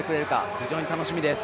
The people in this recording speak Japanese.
非常に楽しみです。